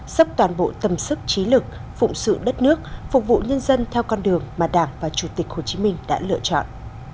sắp toàn bộ tâm sức trí lực phụng sự đất nước phục vụ nhân dân theo con đường mà đảng và chủ tịch hồ chí minh đã lựa chọn